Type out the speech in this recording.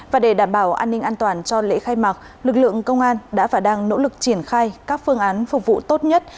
và để đảm bảo an ninh an toàn cho lễ khai mạc lực lượng công an đã và đang nỗ lực triển khai các phương án phục vụ tốt nhất